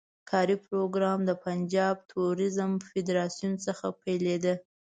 کاري پروګرام د پنجاب توریزم فدراسیون څخه پیلېده.